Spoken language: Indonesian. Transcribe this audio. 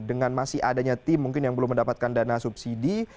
dengan masih adanya tim mungkin yang belum mendapatkan dana subsidi